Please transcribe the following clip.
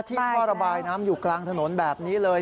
ท่อระบายน้ำอยู่กลางถนนแบบนี้เลย